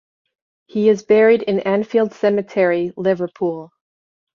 He is buried in Anfield Cemetery, Liverpool.